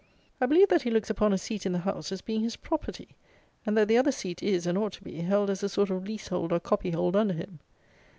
I believe that he looks upon a seat in the House as being his property; and that the other seat is, and ought to be, held as a sort of leasehold or copyhold under him.